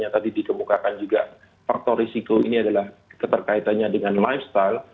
yang tadi dikemukakan juga faktor risiko ini adalah keterkaitannya dengan lifestyle